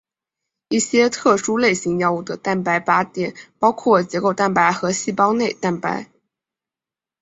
一些特殊类型药物的蛋白靶点包括结构蛋白和细胞内蛋白。